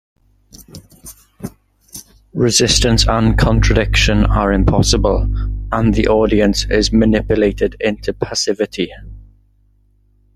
Resistance and contradiction are impossible, and the audience is manipulated into passivity.